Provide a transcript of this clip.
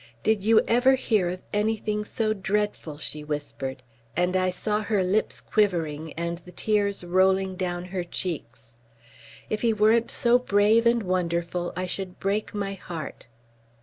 "Did you ever hear of anything so dreadful?" she whispered, and I saw her lips quivering and the tears rolling down her cheeks. "If he weren't so brave and wonderful, I should break my heart."